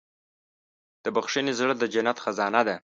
د بښنې زړه د جنت خزانه ده.